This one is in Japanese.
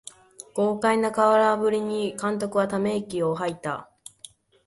豪快な空振りに監督はため息をはいた